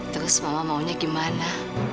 terus mama maunya gimana